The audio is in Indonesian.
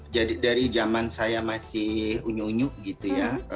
jadi dari zaman saya masih unyu unyu gitu ya